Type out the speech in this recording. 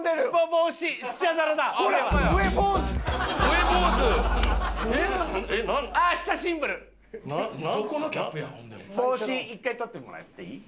帽子１回取ってもらっていい？